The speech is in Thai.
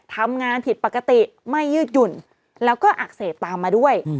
ทำงานผิดปกติไม่ยืดหยุ่นแล้วก็อักเสบตามมาด้วย